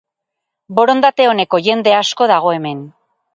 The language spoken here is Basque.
Borondate oneko jende asko dago hemen.